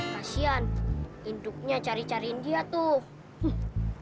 kasian induknya cari cariin dia tuh